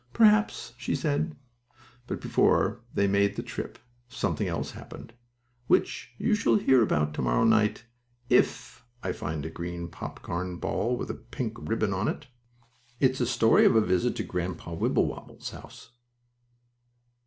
"Perhaps," she said, but before they made that trip something else happened, which you shall hear about to morrow night if I find a green popcorn ball with a pink ribbon on it. It's a story of a visit to Grandpa Wibblewobble's house.